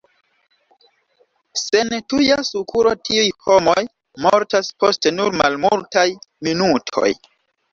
Sen tuja sukuro tiuj homoj mortas post nur malmultaj minutoj.